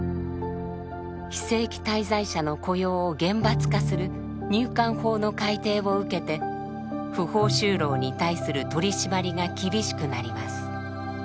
非正規滞在者の雇用を厳罰化する入管法の改定を受けて不法就労に対する取締りが厳しくなります。